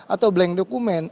atau blank dokumen